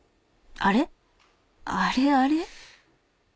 あれあれ？］